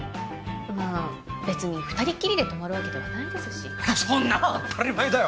まあ別に二人っきりで泊まるわけではないですしそんなん当たり前だよ！